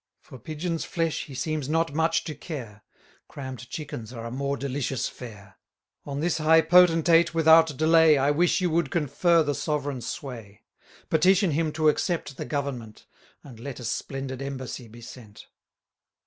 For Pigeons' flesh he seems not much to care; Cramm'd chickens are a more delicious fare. 1130 On this high potentate, without delay, I wish you would confer the sovereign sway: Petition him to accept the government, And let a splendid embassy be sent.